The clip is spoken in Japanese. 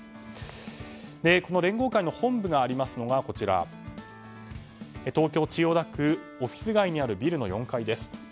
この連合会の本部がありますのが東京・千代田区オフィス街にあるビルの４階です。